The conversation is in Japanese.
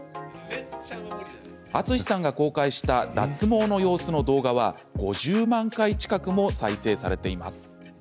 淳さんが公開した脱毛の様子の動画は５０万回近くも再生されています。